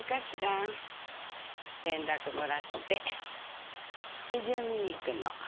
連絡もらって虹を見に行くの。